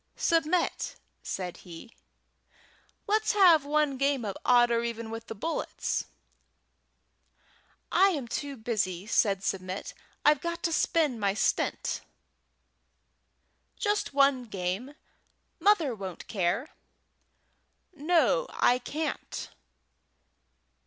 "Submit," said he, "let's have one game of odd or even with the bullets." "I am too busy," said Submit. "I've got to spin my stint." "Just one game. Mother won't care." "No; I can't."